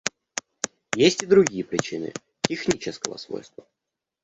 Есть и другие причины − технического свойства.